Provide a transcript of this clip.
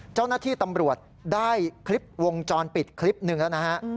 เจ้าหน้าที่ตำรวจได้คลิปวงจรปิดคลิปหนึ่งแล้วนะฮะ